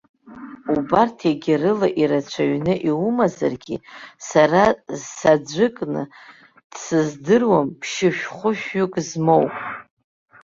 Убарҭ егьарыла ирацәаҩны иумазаргьы, сара саӡәыкны дсыздыруам, ԥшьышәхәышәҩык змоу.